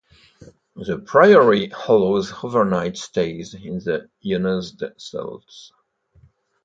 The priory allows overnight stays in the unused cells.